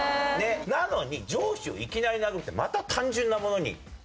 なのに「上司をいきなり殴る」ってまた単純なものになってるんですよ。